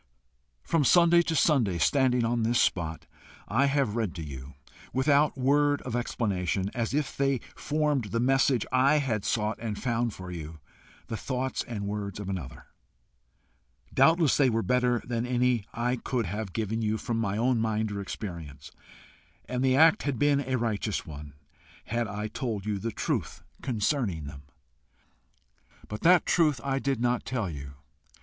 From Sunday to Sunday, standing on this spot, I have read to you, without word of explanation, as if they formed the message I had sought and found for you, the thoughts and words of another. Doubtless they were better than any I could have given you from my own mind or experience, and the act had been a righteous one, had I told you the truth concerning them. But that truth I did not tell you.